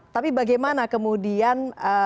tapi bagaimana kemudian